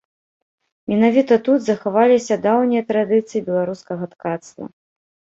Менавіта тут захаваліся даўнія традыцыі беларускага ткацтва.